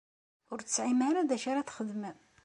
Ur tesɛim ara d acu ara txedmem?